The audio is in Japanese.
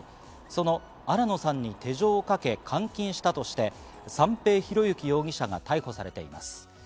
その新野さんに手錠をかけ監禁したとして三瓶博幸容疑者が逮捕されています。